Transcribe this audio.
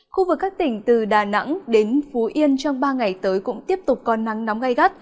khu vực các tỉnh từ đà nẵng đến phú yên trong ba ngày tới cũng tiếp tục có nắng nóng gai gắt